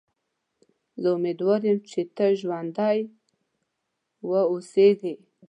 زه امیدوار یم چې ته ژوندی و اوسېږې.